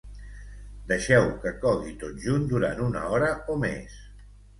deixeu que cogui tot junt durant una hora o més